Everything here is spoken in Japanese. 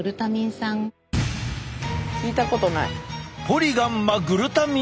聞いたことない。